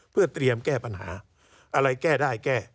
เพื่อเตรียมแก้ปัญหาอะไรแก้ได้แก้